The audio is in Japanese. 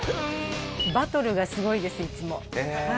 バトルがすごいですいつも。